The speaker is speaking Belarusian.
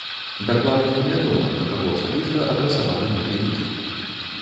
Дакладна невядома да каго асабіста адрасаваны гэты ліст.